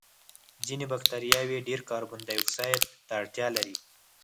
ځینې بکټریاوې ډېر کاربن دای اکسایډ ته اړتیا لري.